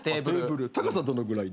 高さどのぐらいで？